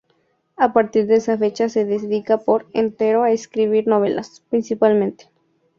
A partir de esa fecha se dedica por entero a escribir novelas, principalmente.